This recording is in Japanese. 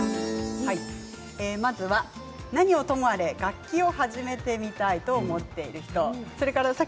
何はともあれ楽器を始めてみたいと思っている人